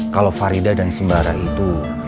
kalau farida dan sembara itu